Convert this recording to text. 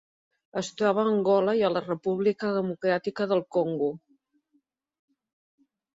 Es troba a Angola i a la República Democràtica del Congo.